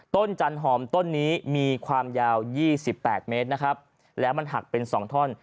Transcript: ต้นจันทรต้นนี้ความยาว๒๘เมตรแล้วมันหักเป็นสองท่อน